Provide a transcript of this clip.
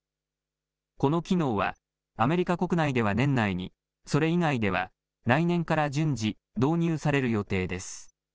この機能は、アメリカ国内では年内に、それ以外では来年から順次、導入される予定です。